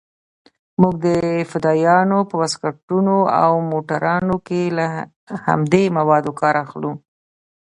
موږ د فدايانو په واسکټونو او موټرانو کښې له همدې موادو کار اخلو.